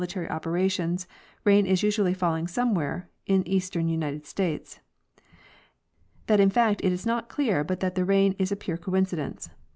tary operations rain is usually falling somewhere in eastern United States; that in fact it is not clear but that the rain is a pure coincidence.